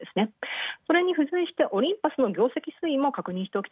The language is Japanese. それに付随して、オリンパスの業績推移も確認。